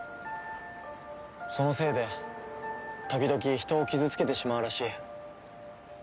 そのせいで時々人を傷つけてしまうらしい。